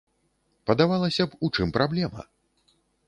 Падавалася б, у чым праблема?